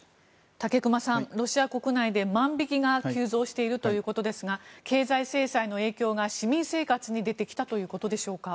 武隈さん、ロシア国内で万引きが急増しているということですが経済制裁の影響が市民生活に出てきたということでしょうか。